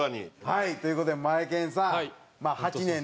はいという事でマエケンさん。